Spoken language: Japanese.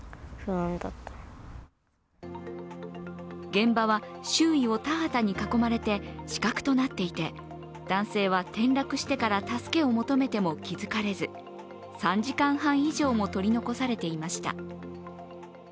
現場は周囲を田畑に囲まれて死角となっていて男性は転落してから助けを求めても気づかれず３時間半以上も取り残されていました。